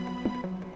aku gak peduli